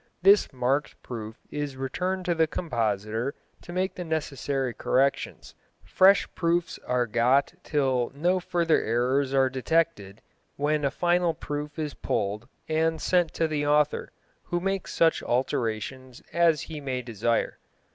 This marked proof is returned to the compositor to make the necessary corrections. Fresh proofs are got till no further errors are detected, when a final proof is pulled and sent to the author, who makes such alterations as he may desire.